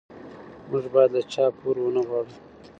موږ باید له چا پور ونه غواړو.